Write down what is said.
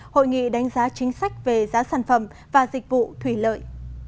hội nghị đánh giá chính sách về giá sản phẩm và dịch vụ thủy lợi